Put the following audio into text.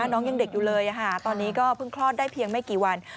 น้องยังเด็กอยู่เลยตอนนี้ก็เพิ่งคลอดได้เพียงไม่กี่วัน